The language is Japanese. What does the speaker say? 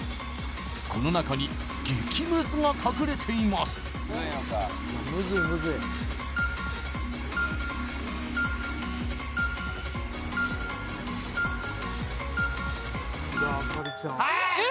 この中に激ムズが隠れていますえっ！？